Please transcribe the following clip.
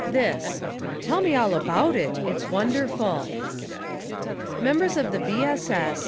This: "Tell me all about it ; it's wonderful." Members of the V. S. S.